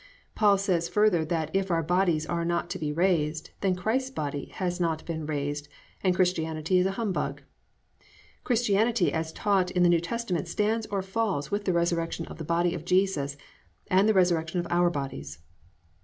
Paul says further that if our bodies are not to be raised, then Christ's body has not been raised and Christianity is a humbug. Christianity as taught in the New Testament stands or falls with the resurrection of the body of Jesus and the resurrection of our bodies.